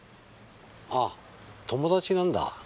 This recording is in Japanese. あぁ友達なんだ。